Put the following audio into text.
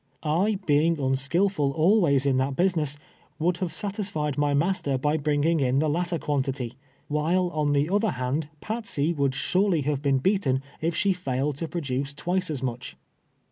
I, being unskillful always in that business, would have satisfied my master by bringing in the latter quantity, while on the other hand, Pat sey would surely have been beaten if she failed to produce twice as much.